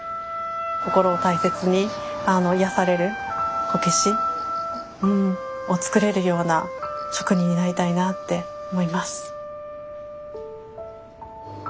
心を大切に癒やされるこけしを作れるような職人になりたいなあって思います。